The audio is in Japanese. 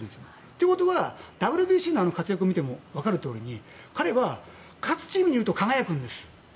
ということはＷＢＣの活躍を見ても分かるとおり彼は勝つチームにいると輝くんです。